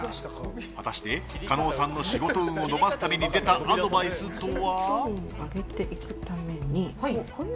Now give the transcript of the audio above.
果たして、加納さんの仕事運を伸ばすために出たアドバイスとは。